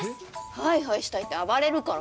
ハイハイしたいって暴れるから。